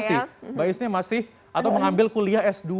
mbak isni masih atau mengambil kuliah s dua